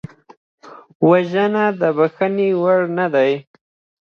وژنه د بښنې وړ نه ده